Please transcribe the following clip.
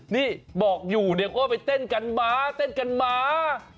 นี่บอกอยู่เนี่ยก็ไปเต้นกันมาเต้นกันมา